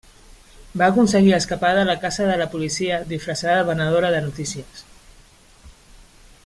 Va aconseguir escapar de la caça de la policia disfressada de venedora de notícies.